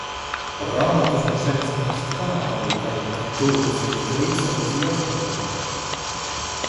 Raamatus on sellest ajast ka palju karikatuurseid kritseldusi ja fotosid.